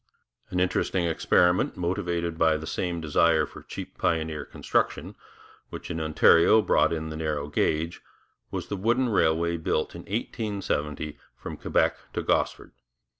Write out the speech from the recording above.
An interesting experiment, motived by the same desire for cheap pioneer construction which in Ontario brought in the narrow gauge, was the wooden railway built in 1870 from Quebec to Gosford.